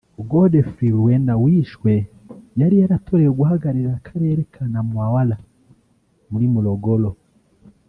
Godfrey Luena wishwe yari yaratorewe guhagararira Akarere ka Namwawala muri Morogoro